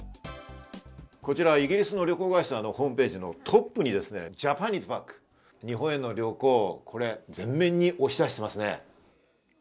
こちらイギリスの旅行会社のホームページのトップにですね、「ＪａｐａｎｉｓＢａｃｋ！」、日本への旅行を前面に押し出していますね。